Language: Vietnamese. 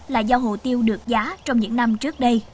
là do hồ tiêu được giá trong những năm trước đây